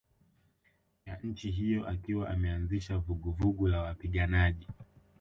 ya nchi hiyo akiwa ameanzisha vuguvugu la wapiganaji